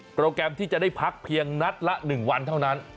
โปรแกรมที่จะได้พักเพียงนัดละ๑วันเท่านั้น